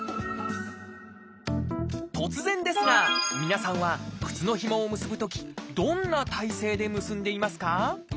突然ですが皆さんは靴のひもを結ぶときどんな体勢で結んでいますか？